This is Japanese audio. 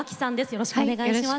よろしくお願いします。